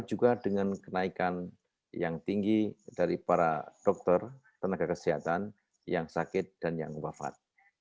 juga dengan kenaikan yang tinggi dari para dokter tenaga kesehatan yang sakit dan yang wafat